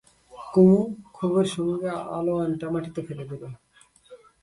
কুমু ক্ষোভের সঙ্গে আলোয়ানটা মাটিতে ফেলে দিলে।